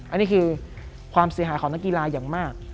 อันนี้คือความเสียหายของนักกีฬาอย่างมาก